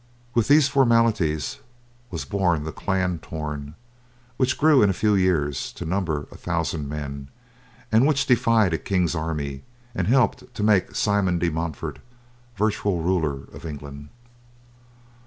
With these formalities was born the Clan Torn, which grew in a few years to number a thousand men, and which defied a king's army and helped to make Simon de Montfort virtual ruler of England.